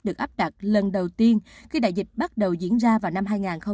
được áp đặt lần đầu tiên khi đại dịch bắt đầu diễn ra vào năm hai nghìn hai mươi